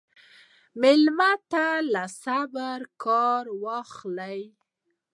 مېلمه ته له صبره کار واخله.